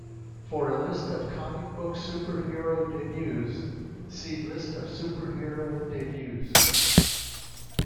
For a list of comic book superhero debuts, see List of superhero debuts.